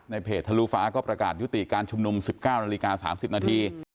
เพจทะลุฟ้าก็ประกาศยุติการชุมนุม๑๙นาฬิกา๓๐นาที